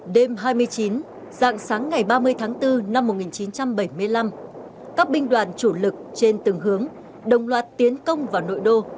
đêm hai mươi chín dạng sáng ngày ba mươi tháng bốn năm một nghìn chín trăm bảy mươi năm các binh đoàn chủ lực trên từng hướng đồng loạt tiến công vào nội đô